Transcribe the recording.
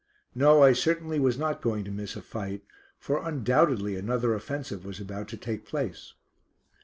No, I certainly was not going to miss a fight, for undoubtedly another offensive was about to take place.